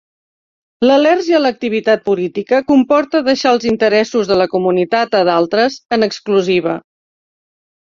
L’al·lèrgia a l’activitat política comporta deixar els interessos de la comunitat a d’altres, en exclusiva.